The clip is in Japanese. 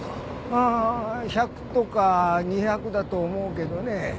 ああ１００とか２００だと思うけどね。